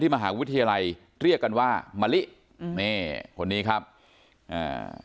มหาวิทยาลัยเรียกกันว่ามะลิอืมนี่คนนี้ครับอ่า